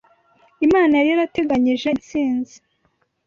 Imana yari yarateganyije intsinzi